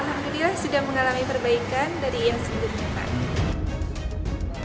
alhamdulillah sudah mengalami perbaikan dari yang sebelumnya pak